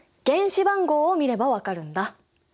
原子番号を見れば分かるんだ。